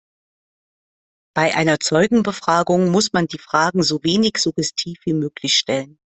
Bei einer Zeugenbefragung muss man die Fragen so wenig suggestiv wie möglich stellen.